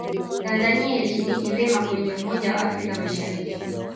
tanzania ilishiriki vema kwenye umoja wa afrika mashariki